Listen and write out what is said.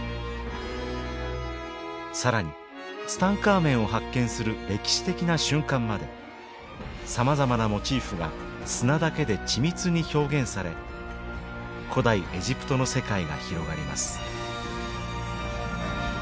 更にツタンカーメンを発見する歴史的な瞬間までさまざまなモチーフが砂だけで緻密に表現され古代エジプトの世界が広がります。